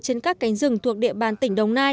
trên các cánh rừng thuộc địa bàn tỉnh đồng nai